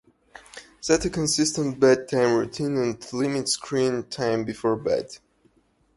Set a consistent bedtime routine and limit screen time before bed.